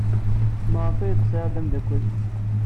Maɣef ay t-tesɛid d ameddakel?